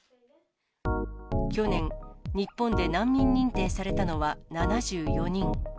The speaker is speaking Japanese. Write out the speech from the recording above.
去年、日本で難民認定されたのは７４人。